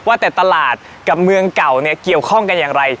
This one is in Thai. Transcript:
ว่าแต่ตลาดกับเมืองเก่าเนี่ยเกี่ยวข้องกันอย่างไร